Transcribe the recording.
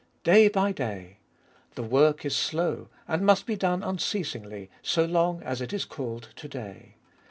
Day by day. The work is slow, and must be done unceasingly, "so long as it is called To day."